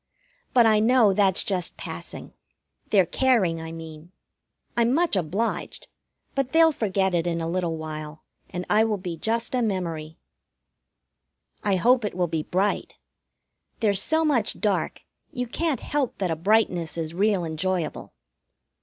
But I know that's just passing their caring, I mean. I'm much obliged; but they'll forget it in a little while, and I will be just a memory. I hope it will be bright. There's so much dark you can't help that a brightness is real enjoyable.